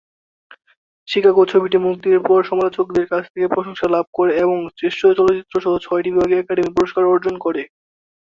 Chicago ছবিটি মুক্তির পর সমালোচকদের কাছ থেকে প্রশংসা লাভ করে এবং শ্রেষ্ঠ চলচ্চিত্রসহ ছয়টি বিভাগে একাডেমি পুরস্কার অর্জন করে।